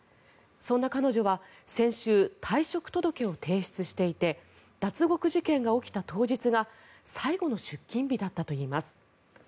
そんな彼女は先週、退職届を提出していて脱獄事件が起きた当日が最後の出勤日だったといいます。